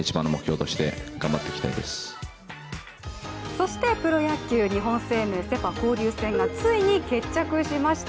そしてプロ野球、日本生命セ・パ交流戦がついに決着しました。